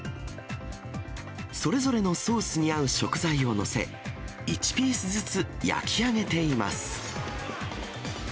それぞれのソースに合う食材を載せ、１ピースずつ焼き上げています。